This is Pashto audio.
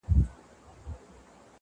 هر څوک د پېښې معنا بېله بېله اخلي،